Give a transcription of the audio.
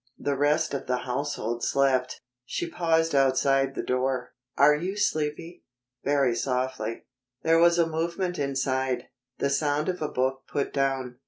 The rest of the household slept. She paused outside the door. "Are you sleepy?" very softly. There was a movement inside, the sound of a book put down.